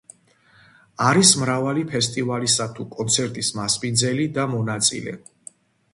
არის მრავალი ფესტივალისა თუ კონცერტის მასპინძელი და მონაწილე.